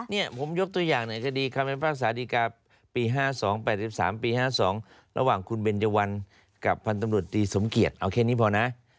มีผมยกตัวอย่างหน่อยคดีคำให้ฟักษาธิกาปี๕๒๘๓ปี๕๒ระหว่างคุณเบนเจวัลกับพันธมดิสมเกียจเอาแค่นี้พอนะ